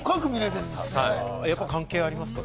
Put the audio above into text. やっぱり関係ありますか？